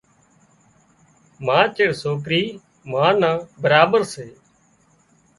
ما چيڙ سوڪرِي ما نا برابر سي